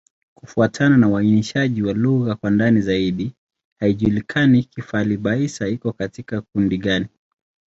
Kufuatana na uainishaji wa lugha kwa ndani zaidi, haijulikani Kifali-Baissa iko katika kundi gani.